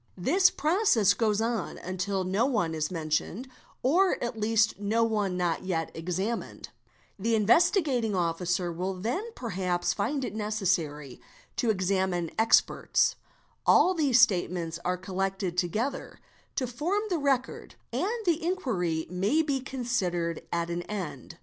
This Process goes on until no one is mentioned or at least no one not yet eeemined, The Investigating Officer will then perhaps find it necessary _ to examine experts; all these statements are collected together to form the record, and the inquiry may be considered at an end.